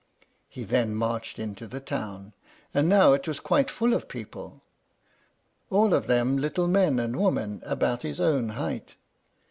He then marched into the town; and now it was quite full of people, all of them little men and women about his own height.